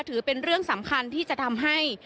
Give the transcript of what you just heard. ถือเป็นสำคัญที่จะทำให้